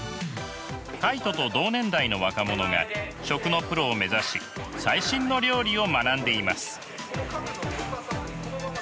カイトと同年代の若者が食のプロを目指し最新の料理を学んでいます。